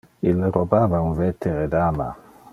Ille robava un vetere dama.